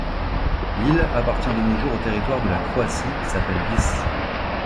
L'île appartient de nos jours au territoire de la Croatie et s'appelle Vis.